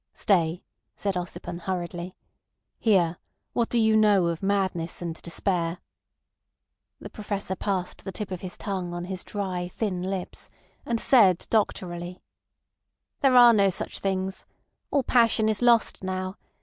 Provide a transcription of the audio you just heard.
"Stay," said Ossipon hurriedly. "Here, what do you know of madness and despair?" The Professor passed the tip of his tongue on his dry, thin lips, and said doctorally: "There are no such things. All passion is lost now.